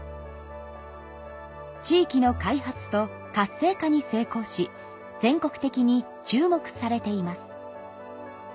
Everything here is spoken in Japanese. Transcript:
地域の開発と活性化に成功し全国的に注目されています。